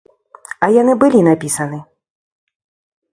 А яны былі напісаны.